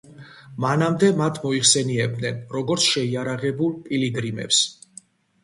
მანამდე მათ მოიხსენიებდნენ, როგორც შეიარაღებულ პილიგრიმებს.